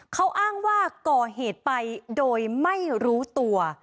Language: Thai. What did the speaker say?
เขาอ้างว่าก่อเหตุไปโดยไม่รู้ตัว